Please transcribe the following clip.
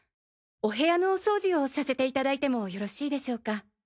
お部屋のお掃除をさせていただいてもよろしいでしょうか？